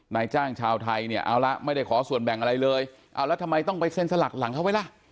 นายจ้างชาวไทยเนี่ยเอาละไม่ได้ขอส่วนแบ่งอะไรเลยเอาแล้วทำไมต้องไปเซ็นสลักหลังเขาไหมล่ะ